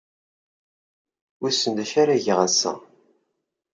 Wissen d acu ara geɣ ass-a.